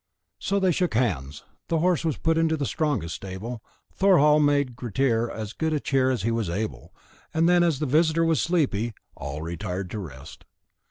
So they shook hands; the horse was put into the strongest stable, Thorhall made Grettir as good cheer as he was able, and then, as the visitor was sleepy, all retired to rest.